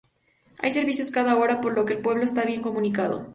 Hay servicios cada hora, por lo que el pueblo está bien comunicado.